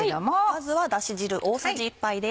まずはだし汁大さじ１杯です。